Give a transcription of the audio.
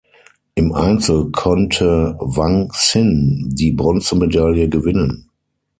Im Einzel konnte Wang Xin die Bronzemedaille gewinnen.